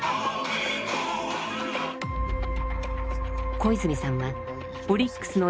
小泉さんはオリックスのデータから